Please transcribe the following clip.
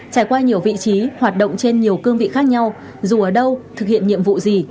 trải qua nhiều vị trí hoạt động trên nhiều cương vị khác nhau dù ở đâu thực hiện nhiệm vụ gì